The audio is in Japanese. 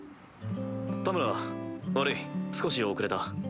田村悪い少し遅れた。